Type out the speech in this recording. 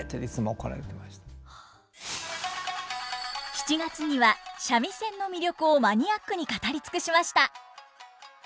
７月には三味線の魅力をマニアックに語り尽くしました。